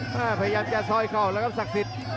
พยายามจะซอยขอบแล้วกับสักสิทธิ์